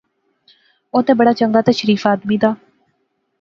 او تے بڑا چنگا تے شریف آدمی دا